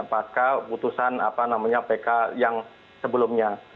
putusan pk yang sebelumnya